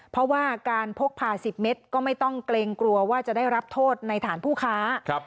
เพราะว่าการพกผ่า๑๐เมตรก็ไม่ต้องเกรงกลัวว่าจะได้รับโทษในฐานผู้ค้า